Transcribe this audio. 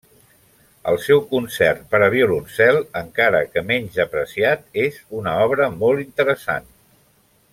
El seu Concert per a violoncel, encara que menys apreciat, és una obra molt interessant.